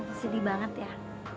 aku sedih banget ya